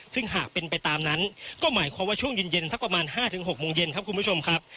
ซึ่งหากเป็นไปตามนั้นก็หมายความว่าช่วงเย็นสักประมาณ๕๖โมงเย็นครับคุณผู้ชมครับ